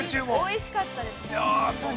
◆おいしかったです、本当に。